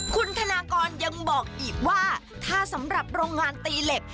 คุณธนากรยังบอกอีกว่าถ้าสำหรับโรงงานตีเหล็ก